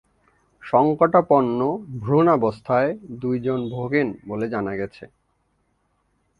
সংকটাপন্ন ভ্রুণাবস্থায় দুইজন ভোগেন বলে জানা গেছে।